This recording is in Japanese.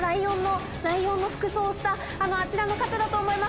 ライオンの服装をしたあちらの方だと思います。